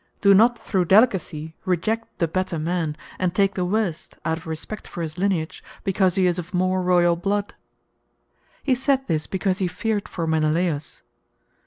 Do not through delicacy reject the better man, and take the worst out of respect for his lineage, because he is of more royal blood." He said this because he feared for Menelaus.